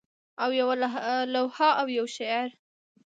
او یوه لوحه او یو شعار